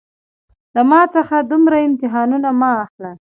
له ما څخه دومره امتحانونه مه اخله